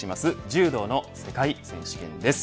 柔道の世界選手権です。